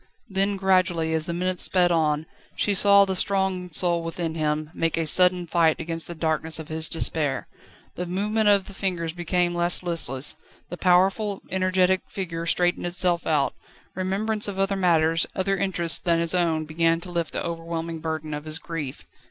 Then gradually, as the minutes sped on, she saw the strong soul within him make a sudden fight against the darkness of his despair: the movement of the fingers became less listless; the powerful, energetic figure straightened itself out; remembrance of other matters, other interests than his own began to lift the overwhelming burden of his grief.